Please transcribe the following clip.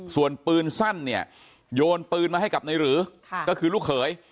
ส่วนปืนสั้นเนี่ยโยนปืนมาให้กับในหรือก็คือลูกเขย